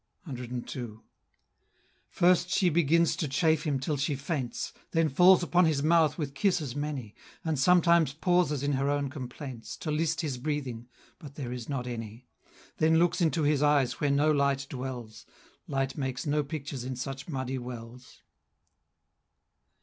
CII. First she begins to chafe him till she faints, Then falls upon his mouth with kisses many, And sometimes pauses in her own complaints To list his breathing, but there is not any, Then looks into his eyes where no light dwells; Light makes no pictures in such muddy wells.